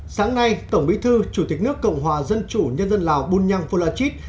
sáng nay tổng bí thư chủ tịch nước cộng hòa dân chủ nhân dân lào bùn nhăng vô la chít